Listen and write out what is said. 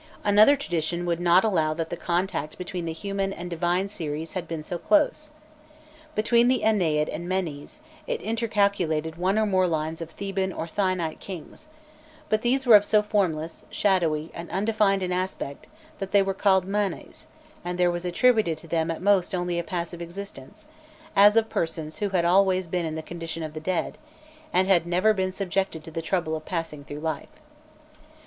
Another tradition would not allow that the contact between the human and divine series had been so close. Between the Ennead and Menés, it intercalated one or more lines of Theban or Thinite kings; but these were of so formless, shadowy, and undefined an aspect, that they were called Manes, and there was attributed to them at most only a passive existence, as of persons who had always been in the condition of the dead, and had never been subjected to the trouble of passing through life.